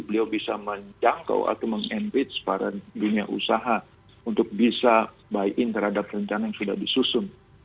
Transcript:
beliau bisa menjangkau atau meng empeach para dunia usaha untuk bisa buy in terhadap rencana yang sudah disusun